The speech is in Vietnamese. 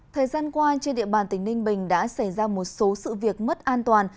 thời gian qua trên địa bàn tỉnh ninh bình đã xảy ra một số sự việc mất an toàn